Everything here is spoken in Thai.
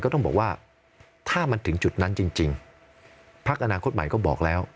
ต้องบอกว่าถ้ามันถึงจุดนั้นจริงพักอนาคตใหม่ก็บอกแล้ว